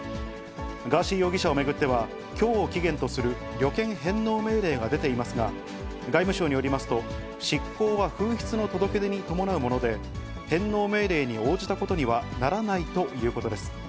ガーシー容疑者を巡っては、きょうを期限とする旅券返納命令が出ていますが、外務省によりますと、失効は紛失の届け出に伴うもので、返納命令に応じたことにはならないということです。